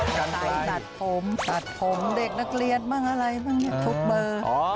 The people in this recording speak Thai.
ใส่ตัดผมตัดผมเด็กนักเรียนบ้างอะไรบ้างเนี่ยทุกเบอร์